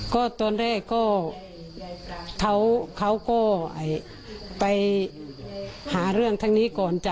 ก็ตอนแรกก็เขาก็ไปหาเรื่องทางนี้ก่อนจ้